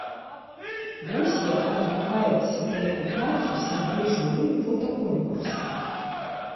Вось як адгукаюцца пра яго працу сябры журы фотаконкурса.